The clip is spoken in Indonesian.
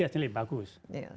hasilnya lebih bagus